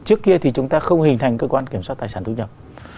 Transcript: trước kia thì chúng ta không hình thành cơ quan kiểm soát tài sản thu nhập